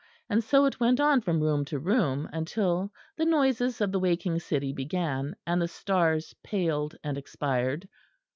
And so it went on from room to room; until the noises of the waking city began, and the stars paled and expired.